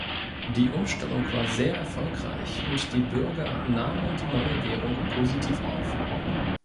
Die Umstellung war sehr erfolgreich, und die Bürger nahmen die neue Währung positiv auf.